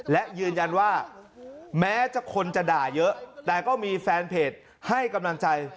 และยืนยันว่าแม้คนจะด่าเยอะแต่ก็มีแฟนเพจให้กำลังใจ